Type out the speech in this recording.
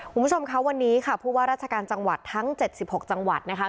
คุณผู้ชมคะวันนี้ค่ะผู้ว่าราชการจังหวัดทั้ง๗๖จังหวัดนะคะ